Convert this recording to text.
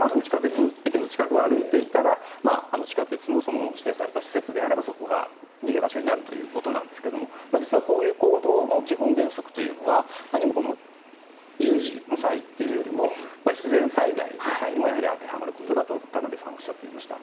駅の近くを歩いていたら地下鉄の指定された施設であればそこが逃げ場所になるということなんですが実は、こういう行動の基本原則は何も、有事の際というよりも自然災害の際にも当てはまることだと田辺さんはおっしゃっていました。